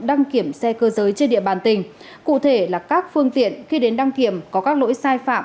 đăng kiểm xe cơ giới trên địa bàn tỉnh cụ thể là các phương tiện khi đến đăng kiểm có các lỗi sai phạm